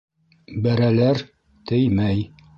Бәрәләр - теймәй.